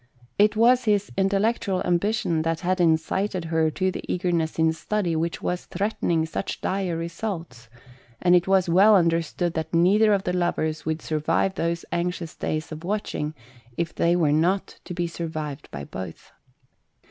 It 84 LUBEIETTA. was his intellectual ambition that had incited her to the eagerness in study which was threatening such dire results, and it was well understood that neither of the lovers would survive these anxious days of watching if they were not to be survived by both.